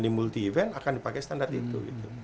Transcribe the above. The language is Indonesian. di multi event akan dipakai standar itu